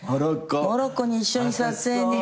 モロッコに一緒に撮影に。